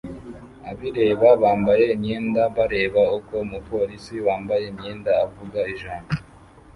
Abireba bambaye imyenda bareba uko umupolisi wambaye imyenda avuga ijambo